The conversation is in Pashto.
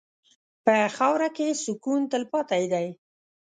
په خاوره کې سکون تلپاتې دی.